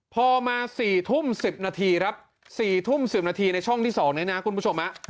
พอมา๔ทุ่ม๑๐นาทีครับ๔ทุ่ม๑๐นาทีในช่องที่๒นี้นะคุณผู้ชม